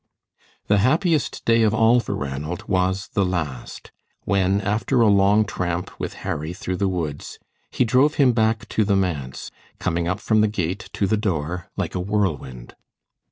The happiest day of all for Ranald was the last, when, after a long tramp with Harry through the woods, he drove him back to the manse, coming up from the gate to the door like a whirlwind.